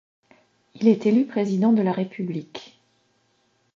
Il est élu président de la République.